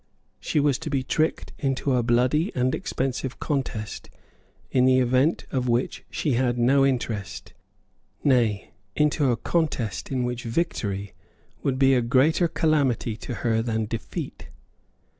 She was to be tricked into a bloody and expensive contest in the event of which she had no interest; nay, into a contest in which victory would be a greater calamity to her than defeat.